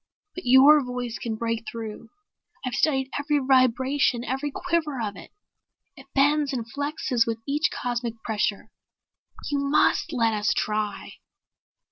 But your voice can break through. I've studied every vibration, every quiver of it. It bends and flexes with each cosmic pressure. You must let us try."